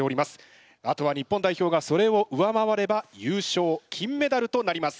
あとは日本代表がそれを上回れば優勝金メダルとなります。